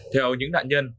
theo những nạn nhân